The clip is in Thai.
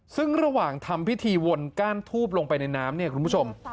ซึ่งระหว่างทำพิธีวนก้านทูบลงไปในน้ำเนี่ยคุณผู้ชม